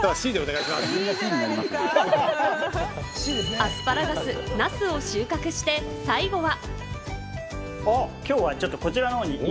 アスパラガス、ナスを収穫して、最後は。